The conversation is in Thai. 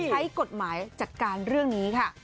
ใช้กฎหมายจัดการเรื่องนี้ค่ะ